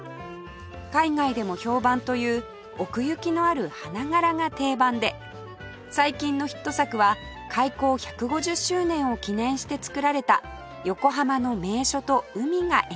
海外でも評判という奥行きのある花柄が定番で最近のヒット作は開港１５０周年を記念して作られた横浜の名所と海が描かれた一枚